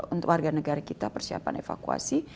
untuk warga negara kita persiapan evakuasi